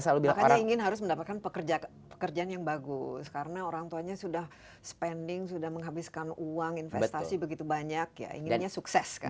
makanya ingin harus mendapatkan pekerjaan yang bagus karena orang tuanya sudah spending sudah menghabiskan uang investasi begitu banyak ya inginnya sukses kan